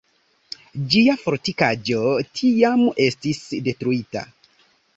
Ĝia fortikaĵo tiam estis detruita.